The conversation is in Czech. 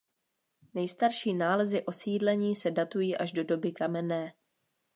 Nejstarší nálezy osídlení se datují až do doby kamenné.